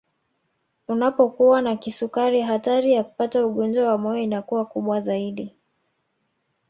Unapokuwa na kisukari hatari ya kupata ugonjwa wa moyo inakuwa kubwa zaidi